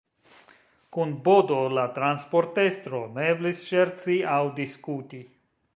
Kun Bodo, la transportestro, ne eblis ŝerci aŭ diskuti.